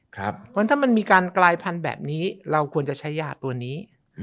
เพราะฉะนั้นถ้ามันมีการกลายพันธุ์แบบนี้เราควรจะใช้ยาตัวนี้